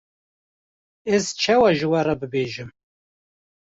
ez çawa ji we re bibêjim.